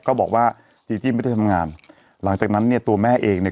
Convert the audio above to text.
ก็บอกว่าจีจิ้มไม่ได้ทำงานหลังจากนั้นเนี่ยตัวแม่เองเนี่ย